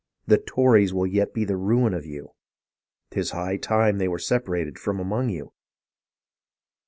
The Tories will yet be the ruin of you ! 'Tis high time they were separated from among you.